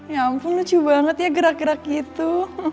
ya ampun lucu banget ya gerak gerak gitu